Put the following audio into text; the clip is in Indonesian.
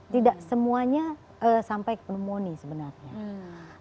tidak semuanya sampai pneumonia sebenarnya